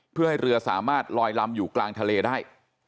เพื่อให้เรือสามารถลอยลำอยู่กลางทะเลได้